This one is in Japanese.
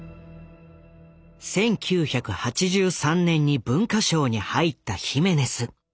１９８３年に文化省に入ったヒメネス。